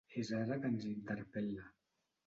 És ara que ens interpel·la.